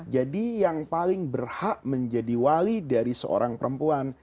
jadi yang paling berhak menjadi wali dari seorang perempuan